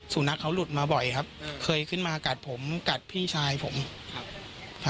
สุนัขเขาหลุดมาบ่อยครับเคยขึ้นมากัดผมกัดพี่ชายผมครับ